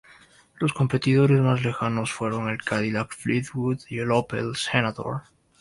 Los competidores más lejanos fueron el Cadillac Fleetwood y el Opel Senator.